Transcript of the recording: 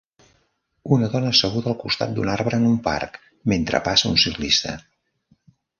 una dona asseguda al costat d'un arbre en un parc mentre passa un ciclista